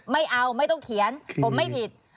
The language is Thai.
ไม่เอาไม่ต้องเขียนผมไม่ผิด